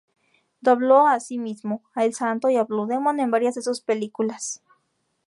Dobló, asimismo, a El Santo y a Blue Demon, en varias de sus películas.